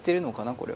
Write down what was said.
これは。